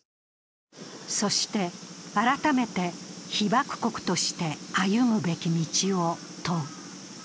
そして、改めて被爆国として歩むべき道を問う。